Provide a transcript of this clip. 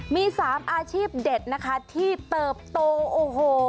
มี๓อาชีพเด็ดนะคะที่เติบโตโอ้โห